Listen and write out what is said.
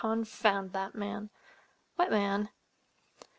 "Confound that man!" "What man?"